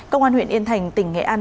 công an huyện yên thành tỉnh nghệ an